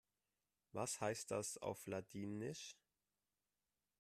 Was heißt das auf Ladinisch?